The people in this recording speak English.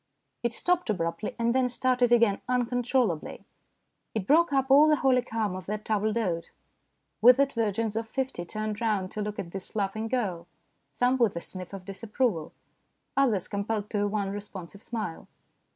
It stopped abruptly and then started again uncontrollably. It broke up all the holy calm of that table d'hote. Withered virgins of fifty turned round to look at this laughing girl, some with a sniff of disapproval, others compelled to a wan, responsive smile.